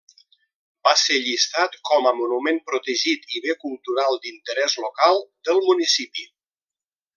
Va ser llistat com a monument protegit i bé cultural d'interès local del municipi.